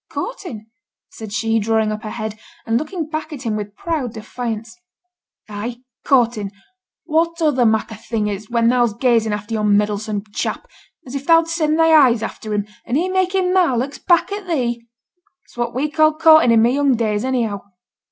'Courting?' said she, drawing up her head, and looking back at him with proud defiance. 'Ay, courtin'! what other mak' o' thing is't when thou's gazin' after yon meddlesome chap, as if thou'd send thy eyes after him, and he making marlocks back at thee? It's what we ca'ed courtin' i' my young days anyhow.